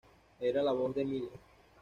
Era la voz de Miller.